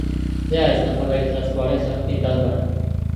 There is no public transportation in Loughman.